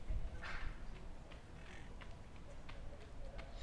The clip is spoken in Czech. V České republice není žádný druh původní.